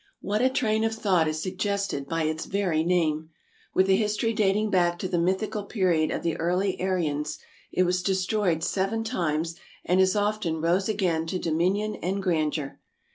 What a train of thought is sug gested by its very name ! With a history dating back to the mythical period of the early Aryans, it was destroyed seven times and as often rose again to dominion and grandeur.